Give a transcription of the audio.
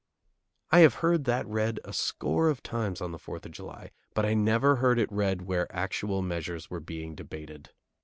I have heard that read a score of times on the Fourth of July, but I never heard it read where actual measures were being debated.